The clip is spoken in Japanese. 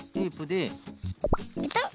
ペタッ。